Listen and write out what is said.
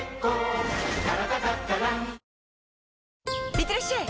いってらっしゃい！